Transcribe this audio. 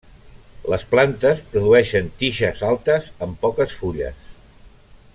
Les plantes produeixen tiges altes amb poques fulles.